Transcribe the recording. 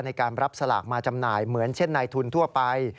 ในการรับสลากมาจำหน่ายเหมือนเช่นในทุนทั่วไป